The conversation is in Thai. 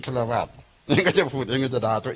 เกษจ์ข่าวไปโน้นนี่นั่นมันมีหลายคนเข้ามาเก๊๊มา